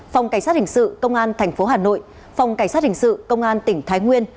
phòng cảnh sát hình sự công an tp hà nội phòng cảnh sát hình sự công an tỉnh thái nguyên